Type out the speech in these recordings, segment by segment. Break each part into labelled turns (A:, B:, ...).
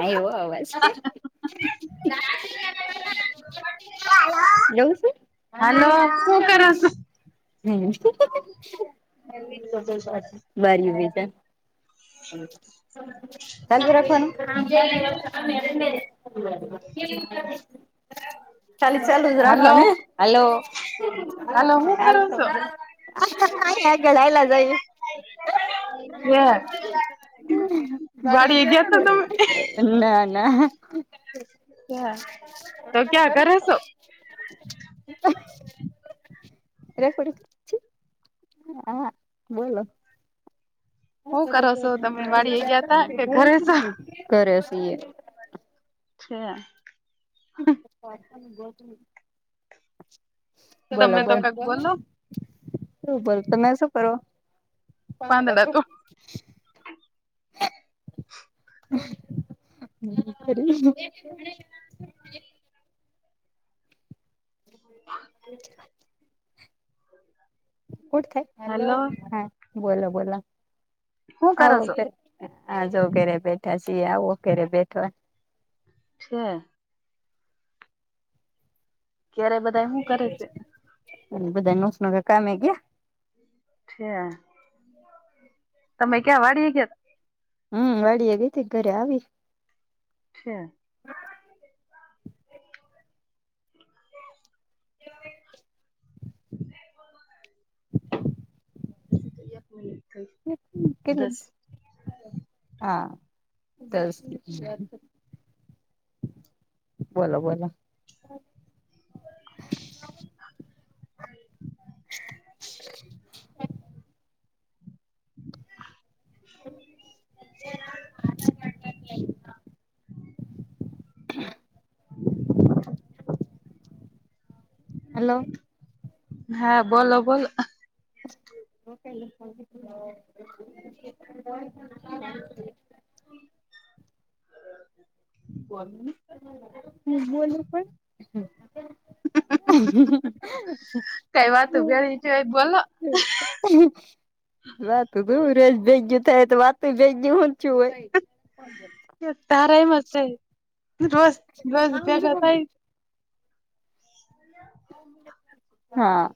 A: આઇવો હા અવાજ. [inaudible] [unintelligible] જઉં છે. બર [inaudible] [unintelligible] અચ [inaudible] ચાલુ રાખ [unintelligible] [inaudible] ચાલ ચાલ રાખવાને હલો. હી હ આગળ આલા જય.
B: કવા [inaudible]
A: ગાડી ના ના.
B: ક તો ક્યાં કરો છો.
A: રેકોર્ડિંગ [inaudible] હા, આ બોલો. કરે છે. ઘરે છે કે. ઘરે છે.
B: છે.
A: બલો બેન. શું બોલ તમે શું કરો. હ [inaudible] [inaudible] ફ્રુટ ખાય હાલો હા બોલો બોલો. આજો ઘરે બેઠા છી આવો ઘેરે બેઠવા
B: [unintelligible]
A: બધા નસ નગ કામે ગ્યા.
B: ઠેક તમે ક્યાં વાળી ગ્યાતા?
A: હમ્મ વાડી એ ગઈ તી ઘરે આવી.
B: ઠેક [unintelligible] [inaudible]
A: કેટલું સ હા [inaudible] બોલો બોલો. [inaudible]
B: [inaudible] [inaudible]
A: [inaudible] હલો
B: હા, બોલો બોલો
A: [unintelligible] હુ બોલું પણ [inaudible] [unintelligible] વાત દૂરજ ભેગયું થાય તો વાતું ભેગયી હ થઈયુ હોય.
B: તારા એમજ થાય દોસ્ત રોજ ભેગા થાય. [inaudible]
A: હા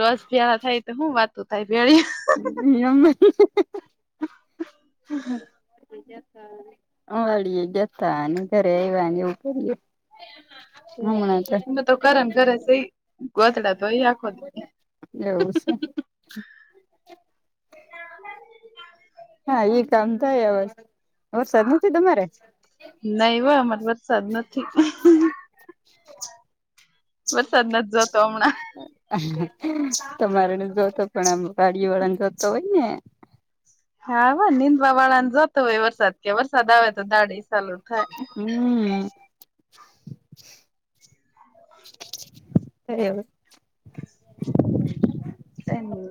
B: રોજ ભેળા થાય તો હું વાતું થાય ભેળી.
A: [inaudible] અ વાળીએ જયાતા અને ઘરે આવ્યા એવું કરીએ. હમણાં તો અમે તો ઘરે ન ઘરે છી [unintelligible] એવું છે. હા ઈ કામ થાય હવે, વરસાદ નથી તમારે? [inaudible] તમારે નથી હોતો. પણ આમ વાડીઓ વાળાને જોતો હોય ને.
B: હા હો નીંદવા વાળા ને જોતો હોય વરસાદ કે વરસાદ આવે તો દાડી સાલુ થાય.
A: હમ્મ એવું
B: તેમનું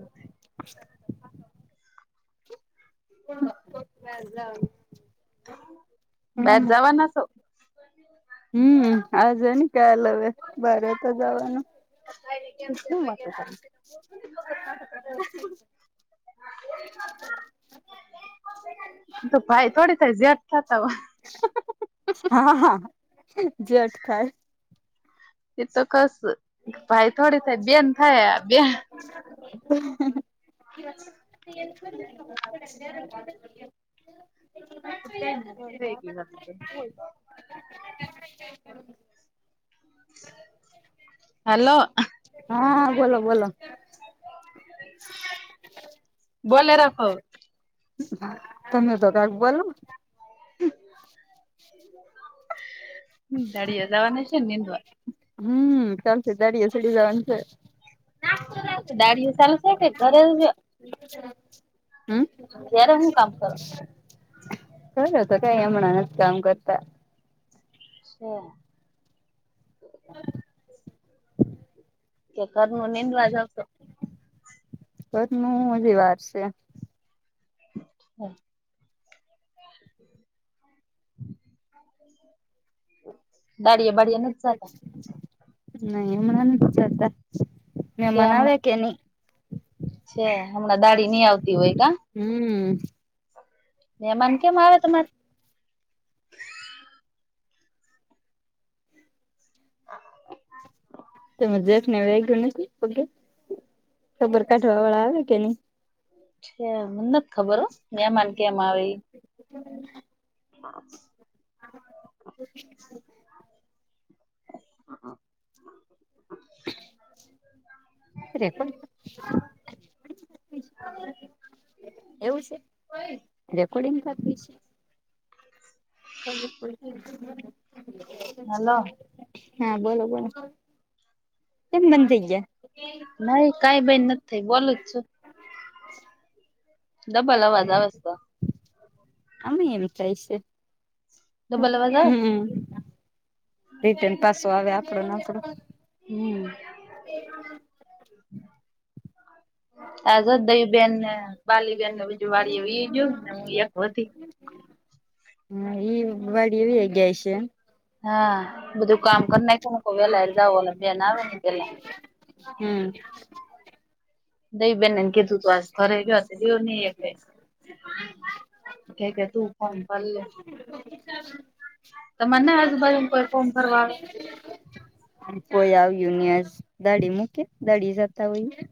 A: [unintelligible] હમ્મ આજે ને કાલ હવે બારે તો જવાનું.
B: હું વાતું કરસ [inaudible] ઈતો ભાઈ થોડી થાય ઝેટ થતા હોય.
A: હા હા હા જેઠ થાય.
B: એ તો કશ, ભાઈ થોડી થાય, બેન થાય હે બેન.
A: [inaudible]
B: [inaudible] હલો.
A: હા બોલો-બોલો. બોલે રાખો. તમે તો કાંઈક બોલો.
B: દાડીએ જાવાનું છે નિંદવા.
A: હમ્મ. કાલથી દાડિયે ચઢી જાવાનું છે. [unintelligible] હમ્મ? કરો તો, કાંઈ હમણાં નથ કામ કરતા.
B: [inaudible]
A: [inaudible]
B: કે ઘરનું નિંદવા જાવ છો?
A: ઘરનું હજી વાર સે.
B: [inaudible] [inaudible]
A: દાળીએ બાળીએ નથ જાતાં? નહીં હમણાં નથ જાતાં. મેમાન આવે કે નહીં?
B: છે. હમણાં દાહડી નહીં આવતી હોય કાં?
A: હમ્મ.
B: મેમાન કેમ આવે તમારે? [inaudible]
A: તમે દેખને [unintelligible] ખબર કાઢવા વાળા આવે કે નહીં?
B: છેક. મન નથ ખબર હો. મેમાન કેમ આવે ઈ.
A: [inaudible]
B: હા.
A: [inaudible]
B: [inaudible]
A: [inaudible] એવું સે? રેકોર્ડિંગ થાતું હઈશે? હલો. હા બોલો-બોલો કેમ બંધ થઈ ગયા? આમાંઈ એમ થાય સે. હમ્મ. રિટર્ન પાસો આવે, આપણોને આપણો.
B: હમ્મ. આ જો દય બેેન ને બાલી બેનને બીજું વાડીએ વયુંઈ ગયું ને હું એક વધી.
A: હા ઈ વાડીએ વીયા ગિયા હઈશે.
B: હા. બધું કામ કર નાઈખું. મે કીધું વહેલા હર જાવું ઓલાં બેન આવે ને ઈ પહેલા.
A: હમ્મ. [inaudible] [inaudible] તમાર ના [inaudible] કોઈ આવ્યું નહીં આજ. દાહડીએ મૂકી, દાહડીએ જાતા હોઈ ઈ.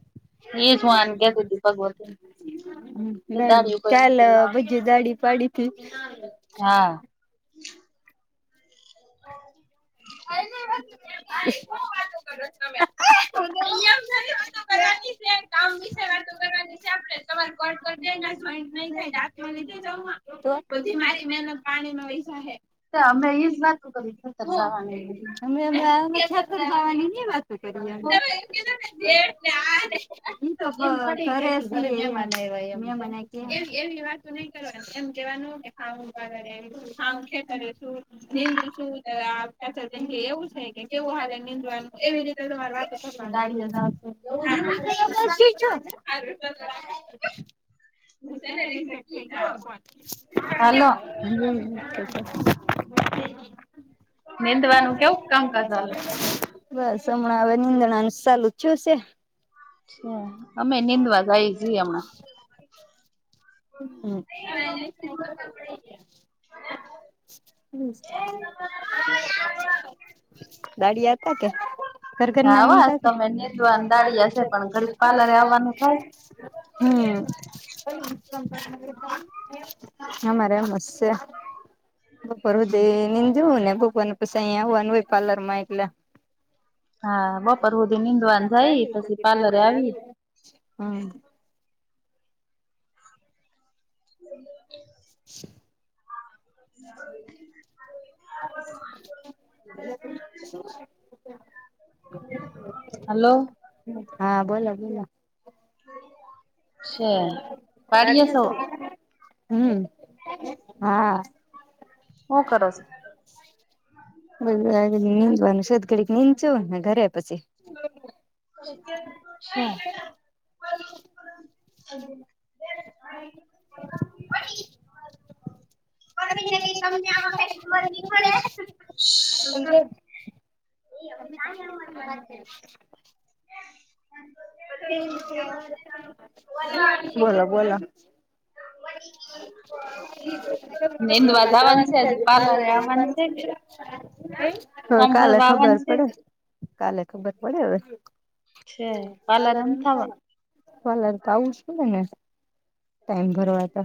B: એજ હુ આને કેતિ [unintelligible] ક.
A: ચાલ બજુ જાડી પાડીથી [inaudible] [unintelligible]
B: હ [inaudible]
A: હ [inaudible] [unintelligible]
B: મ [inaudible] [unintelligible] [unintelligible] વિષ વાતો કરવાની છે આપડે તમારે ઘોડે [unintelligible]
A: [unintelligible] જોઈન્ટ નહી થાય. [unintelligible] લીધે જ. બધી મારી મહેનત પાણીમાં વહી જાહે. તે અમે ઈ જ વાતું કરી. [unintelligible] [inaudible] [unintelligible] [inaudible] ઘરે મહેમાન આવ્યા એમ. એવી વાત નઈ કરવાની એમ કેવાનું કે [unintelligible] હું ખેતરે છું. નીંદુ શું કા [unintelligible] એવું છે કે કેવું હાલે નીંદવાનું એવી રીતે. [unintelligible] [inaudible] [inaudible] હું કેને રિજેક્ટ થઈ જશે [unintelligible] [inaudible]
B: હાલો.
A: હમ [unintelligible] [inaudible] નીંદવાનું કેવું કામકાજ ચાલે, બસ હમણા હવે નિંદણા ચાલુ. શું છે? [unintelligible] [inaudible]
B: હ [inaudible]
A: હમ [unintelligible] [inaudible] દાડિયા હતા કે, ઘર ઘરના ના [inaudible] હમ. [unintelligible] હમારે એમસ સે. બપોર સુધી નીંદ ઉં ને બપોરને પસે અહીંયા આવવાનું હોય પાર્લર માં એટલે.
B: હા, બપોર સુધી નીંદવાન જાય એ પછી પાર્લરે આવી એ.
A: હમ.
B: [inaudible]
A: [inaudible]
B: હ [inaudible]
A: [inaudible]
B: [unintelligible] હલો.
A: હા બોલો બોલો.
B: હ [inaudible]
A: [unintelligible] [inaudible]
B: હું કરો છો.?
A: [unintelligible] ઘરે પછી.
B: [unintelligible] ક્યાં. હ [inaudible] પરવીન ને કે. [unintelligible]
A: તમને [inaudible] [inaudible] [unintelligible] બોલો-બોલો.
B: [inaudible]
A: જિમ માં જાવાનું છે. અને પાર્લર એ આવાનું છે. હવે કાલે ખબર પડે, કાલે ખબર પડે હવે.
B: છે. પાર્લર નથ આવન.
A: પાર્લર તો આવું છું ને ને ટાઈમ ભરવા ત.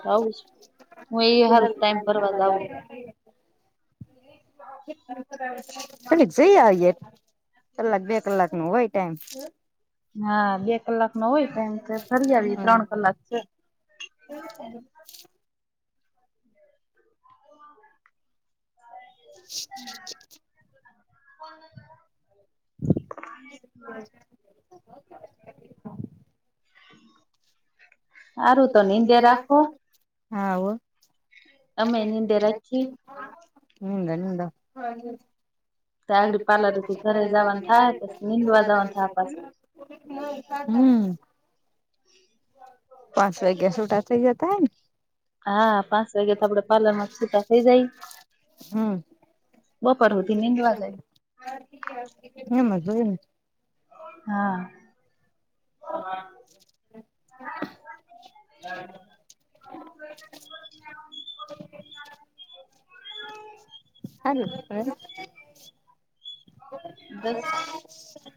A: [inaudible] [unintelligible] અને જઇ આયયે. કલાક બે કલાક નો હોય ટાઈમ.
B: હા, બે કલાક નો હોય ટાઈમ છે ફરી આવી ત્રણ કલાક છે.
A: કોણે ખાધું.
B: [inaudible] હારું તો નીંદે રાખો.
A: હા હો.
B: અમેય નિંદે રાખીએ.
A: નીંદો નીંદો.
B: તા પારલર હુધી ઘરે જાવાનું થાય પછી નીંદવા જાવાનું થાય પાછું.
A: હમ. પાંચ વાગ્યે સૂટા થઈ જતાય ને.
B: હા પાંસ વાગ્યે તો આપડે પાર્લર માં છૂટા થઇ જાય.
A: હમ.
B: બપોર હુધી નીંદવા જાય.
A: એમાં જોયને.
B: હા. [inaudible] [inaudible]
A: હાલો બેન.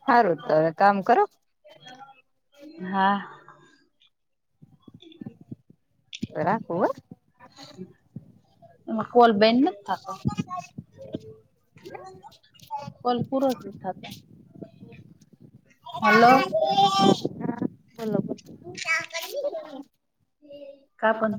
A: હારું તમે કામ કરો.
B: હા.
A: રાખું હો.
B: એમાં કોલ બેન નથી થતો. કોલપુર સુ થ હલો. તા આગળ ની જવુ. કા પણ